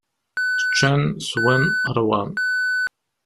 Ččan, swan, ṛwan.